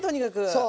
そう。